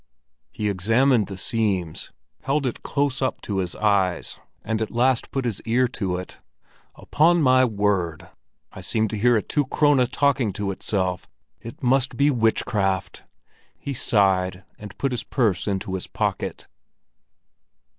He examined the seams, held it close up to his eyes, and at last put his ear to it. "Upon my word, I seem to hear a two krone talking to itself. It must be witchcraft!" He sighed and put his purse into his pocket.